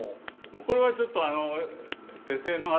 これはちょっと手製のあれで。